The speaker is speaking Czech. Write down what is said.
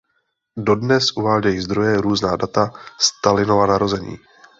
Dodnes uvádějí zdroje různá data Stalinova narození.